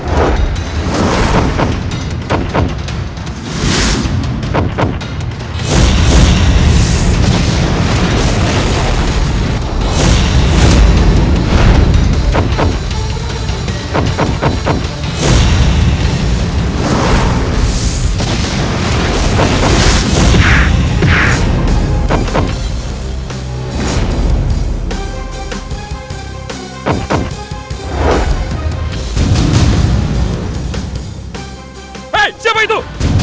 hei ada apa itu